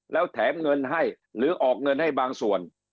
แล้วแถมเงินให้หรือออกเงินให้บางส่วน